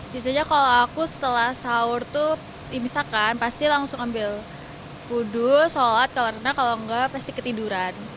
biasanya kalau aku setelah sahur tuh misalkan pasti langsung ambil wudhu sholat karena kalau enggak pasti ketiduran